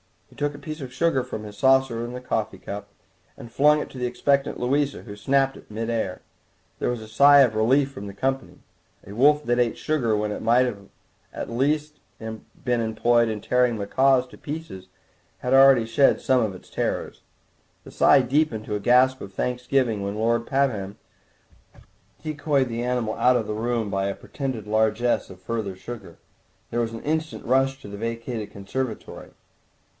He took a piece of sugar from the saucer of his coffee cup and flung it to the expectant Louisa, who snapped it in mid air. There was a sigh of relief from the company; a wolf that ate sugar when it might at the least have been employed in tearing macaws to pieces had already shed some of its terrors. The sigh deepened to a gasp of thanks giving when Lord Pabham decoyed the animal out of the room by a pretended largesse of further sugar. There was an instant rush to the vacated conservatory.